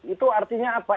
itu artinya apa